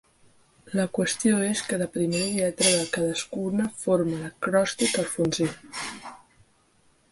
La qüestió és que la primera lletra de cadascuna forma l'acròstic alfonsí.